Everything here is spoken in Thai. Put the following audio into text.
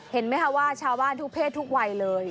เห็นไหมคะว่าชาวบ้านทุกเพศทุกวัยเลย